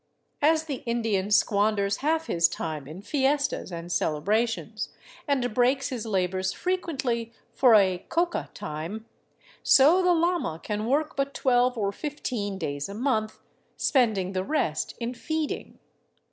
As the Indian squanders half his time in fiestas and celebrations, and breaks his labors frequently for a " coca time," so the llama can work but twelve or fifteen days a month, spending the rest in feeding.